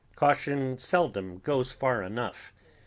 Caution seldom goes far enough.